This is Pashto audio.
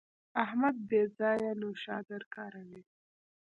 احمد بې ځایه نوشادر کاروي.